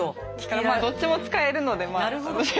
どっちも使えるのでまあ。